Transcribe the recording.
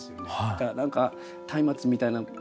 だから何かたいまつみたいなもので。